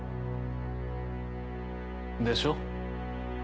でしょ？